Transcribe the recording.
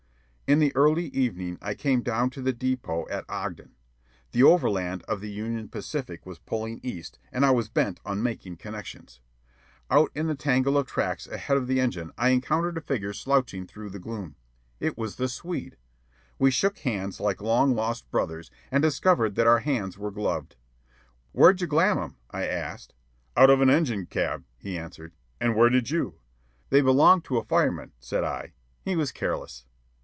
In the early evening I came down to the depot at Ogden. The overland of the Union Pacific was pulling east, and I was bent on making connections. Out in the tangle of tracks ahead of the engine I encountered a figure slouching through the gloom. It was the Swede. We shook hands like long lost brothers, and discovered that our hands were gloved. "Where'd ye glahm 'em?" I asked. "Out of an engine cab," he answered; "and where did you?" "They belonged to a fireman," said I; "he was careless."